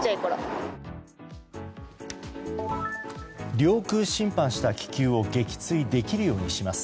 領空侵犯した気球を撃墜できるようにします。